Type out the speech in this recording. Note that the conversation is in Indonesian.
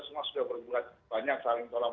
semua sudah berbuat banyak saling tolong